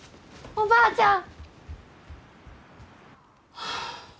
・おばあちゃん！